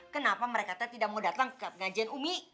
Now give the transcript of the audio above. kenapa mereka tidak mau datang ke pengajian umi